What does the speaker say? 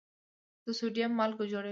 د سوډیم مالګه جوړوي.